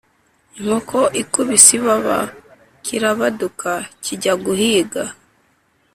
inkoko ikubise ibaba, kirabaduka kijya guhiga